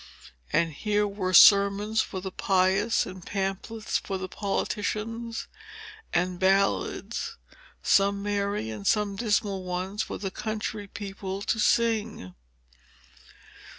And here were sermons for the pious, and pamphlets for the politicians, and ballads, some merry and some dismal ones, for the country people to sing.